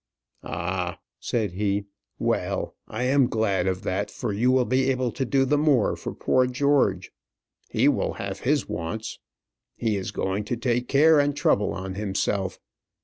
"Ah!" said he. "Well I am glad of that, for you will be able to do the more for poor George. He will have wants; he is going to take care and trouble on himself.